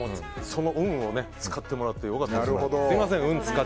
その運を使ってもらってよかったです。